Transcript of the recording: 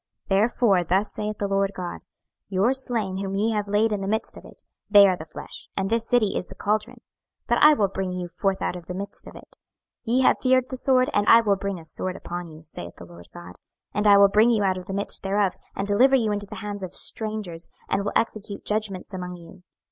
26:011:007 Therefore thus saith the Lord GOD; Your slain whom ye have laid in the midst of it, they are the flesh, and this city is the caldron: but I will bring you forth out of the midst of it. 26:011:008 Ye have feared the sword; and I will bring a sword upon you, saith the Lord GOD. 26:011:009 And I will bring you out of the midst thereof, and deliver you into the hands of strangers, and will execute judgments among you.